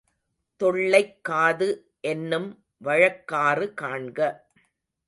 தொள்ளைக் காது என்னும் வழக்காறு காண்க.